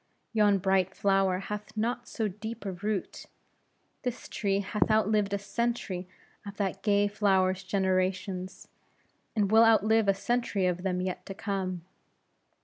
Yon bright flower hath not so deep a root. This tree hath outlived a century of that gay flower's generations, and will outlive a century of them yet to come.